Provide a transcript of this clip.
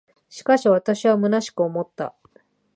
しかし、私は虚しく思った。